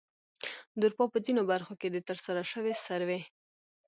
د اروپا په ځینو برخو کې د ترسره شوې سروې